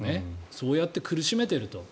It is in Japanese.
そうやって苦しめていると。